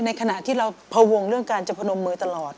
ในขณะที่เราไปพัวงเรื่องการจัดประนมมือตลอด